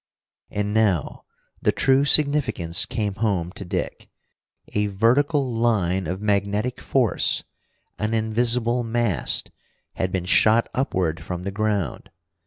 And now the true significance came home to Dick. A vertical line of magnetic force, an invisible mast, had been shot upward from the ground.